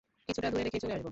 কিছুটা দূরে রেখেই চলে আসব।